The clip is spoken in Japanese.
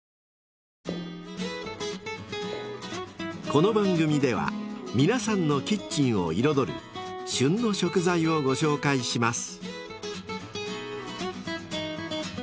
［この番組では皆さんのキッチンを彩る「旬の食材」をご紹介します］